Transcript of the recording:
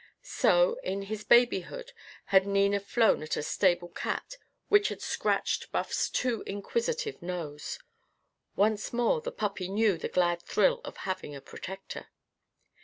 So, in his babyhood, had Nina flown at a stable cat which had scratched Buff's too inquisitive nose. Once more the puppy knew the glad thrill of having a protector.